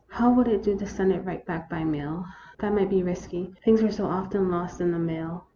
How would it do to send it right back by mail ? That might be risky ; things were so often lost in the mail.